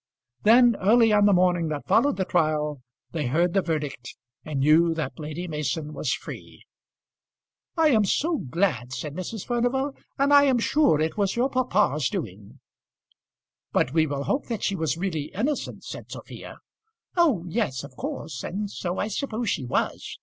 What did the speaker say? Then, early on the morning that followed the trial, they heard the verdict and knew that Lady Mason was free. "I am so glad," said Mrs. Furnival; "and I am sure it was your papa's doing." "But we will hope that she was really innocent," said Sophia. "Oh, yes; of course; and so I suppose she was.